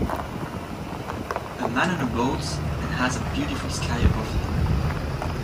A man on a boat and has a beautiful sky above him.